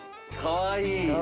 かわいい。